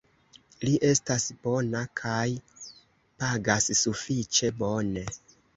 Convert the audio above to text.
Li estas bona kaj pagas sufiĉe bone.